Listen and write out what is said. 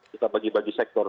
kita bagi bagi sektor